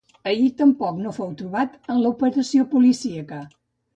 Ahir tampoc no fou trobat en l’operació policíaca.